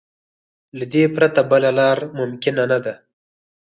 له دې پرته بله لار ممکن نه ده.